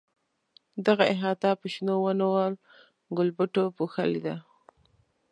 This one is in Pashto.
دغه احاطه په شنو ونو او ګلبوټو پوښلې ده.